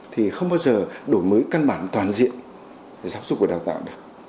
thì không bao giờ đổi mới căn bản toàn diện giáo dục và đào tạo được